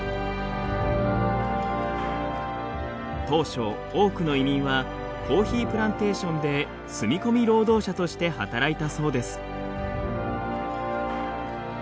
当初多くの移民はコーヒープランテーションで住み込み労働者として働いたそうです。